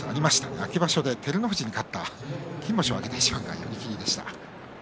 秋場所で照ノ富士に勝った金星を挙げた一番は寄り切りでした。